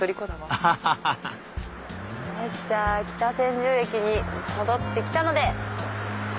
アハハハじゃあ北千住駅に戻って来たので。